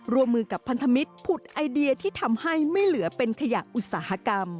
รวมมือกับพันธมิตรผุดไอเดียที่ทำให้ไม่เหลือเป็นขยะอุตสาหกรรม